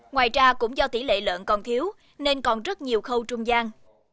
ngoài ra cũng do tỷ lệ lợn còn thiếu nên còn rất nhiều khâu trung gian